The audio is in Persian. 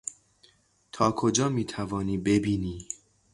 تا کجا میتوانی ببینی؟